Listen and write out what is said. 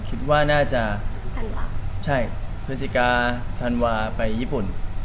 คิดว่าน่ะจะฮือสิกาทันวาฬ์ไปญี่ปุ่น